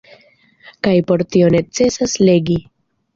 Kaj por tio necesas legi.